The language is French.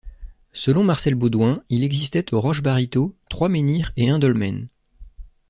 Selon Marcel Baudouin, il existait aux Roches-Baritaud trois menhirs et un dolmen.